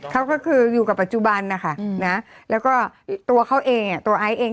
เขาก็คืออยู่กับปัจจุบันนะคะแล้วก็ตัวเขาเองตัวไอซ์เอง